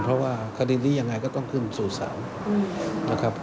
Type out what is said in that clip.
เพราะว่าคดีนี้อย่างไรก็ต้องขึ้นสู่สาว